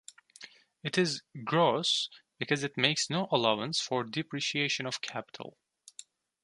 It is "gross" because it makes no allowance for depreciation of capital.